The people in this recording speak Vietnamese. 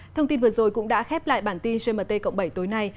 thông tin vừa rồi cũng đã khép lại bản tin gmt cộng bảy tối nay